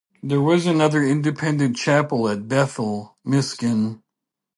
There was another Independent chapel at Bethel, Miskin.